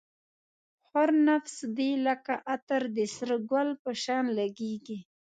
هر نفس دی لکه عطر د سره گل په شان لگېږی